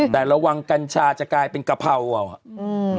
แต่ระวังกัญชาจะกลายเป็นกะเพราเอาอ่ะอืม